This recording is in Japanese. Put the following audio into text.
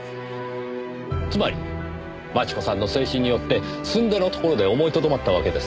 つまり真智子さんの制止によってすんでのところで思いとどまったわけですね？